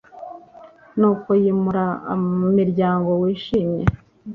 nuko yimura umuryango wishimye